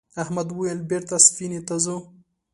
احمد وویل بېرته سفینې ته ځو.